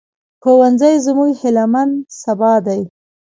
ښوونځی زموږ هيلهمن سبا دی